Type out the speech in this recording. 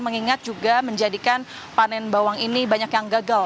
mengingat juga menjadikan panen bawang ini banyak yang gagal